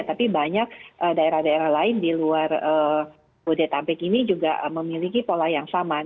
tapi banyak daerah daerah lain di luar bodetabek ini juga memiliki pola yang sama